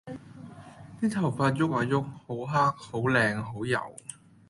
啲頭髮郁啊郁，好黑！好靚！好柔！